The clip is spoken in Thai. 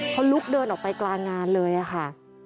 เขาลุกเดินออกไปกลางงานเลยค่ะ